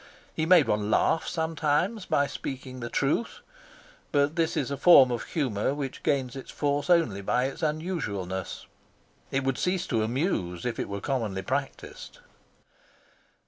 He made one laugh sometimes by speaking the truth, but this is a form of humour which gains its force only by its unusualness; it would cease to amuse if it were commonly practised.